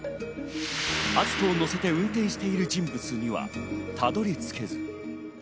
篤斗を乗せて運転している人物にはたどり着けず。